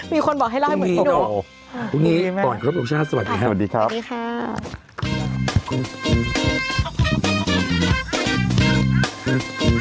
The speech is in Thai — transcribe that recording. มีคนบอกให้เล่าให้เหมือนพี่หนุ่ม